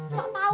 sok tau lo